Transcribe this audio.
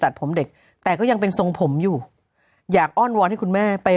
ตัดผมเด็กแต่ก็ยังเป็นทรงผมอยู่อยากอ้อนวอนให้คุณแม่ไป